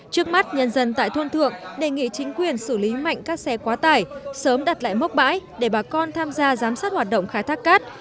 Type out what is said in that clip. trước mắt nhân dân tại thôn thượng đề nghị chính quyền xử lý mạnh các xe quá tải sớm đặt lại mốc bãi để bà con tham gia giám sát hoạt động khai thác cát